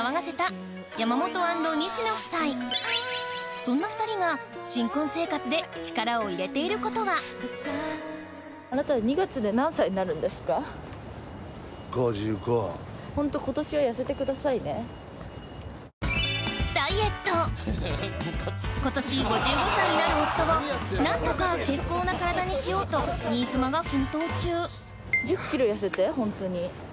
そんな２人が新婚生活で今年５５歳になる夫を何とか健康な体にしようと新妻が奮闘中１０ｋｇ痩せてほんとに。